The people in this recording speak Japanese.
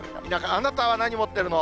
あなたは何持ってるの？